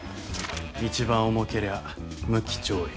一番重けりゃ無期懲役。